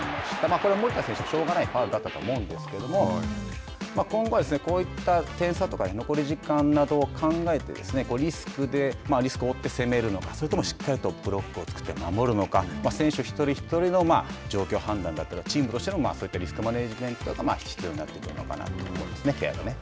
これは守田選手しょうがないとは思うんですけど今後はこういった点差とか残り時間などを考えて、リスクを負って攻めるのかそれともしっかりとブロックを作って守るのか選手一人一人の状況判断だったりチームとしてのそういうリスクマネジメントが必要になってくるのかと思いますよね。